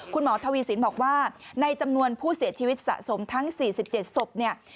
คุณหมอทวีสินบอกว่าในจำนวนผู้เสียชีวิตสะสมทั้ง๔๗ศพเนี่ย